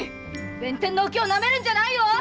弁天のお京をなめるんじゃないよ‼